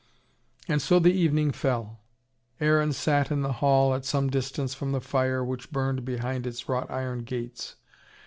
And so the evening fell. Aaron sat in the hall at some distance from the fire, which burned behind its wrought iron gates.